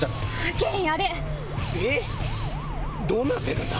どうなってるんだ